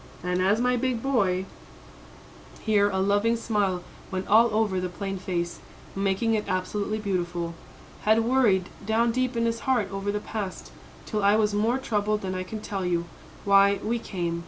And as my big boy" here a loving smile went all over the plain face, making it absolutely beautiful "had worried down deep in his heart over the past, till I was more troubled than I can tell you, why, we came.